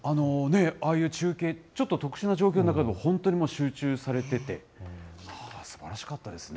ああいう中継、ちょっと特殊な状況の中でも、本当に集中されてて、すばらしかったですね。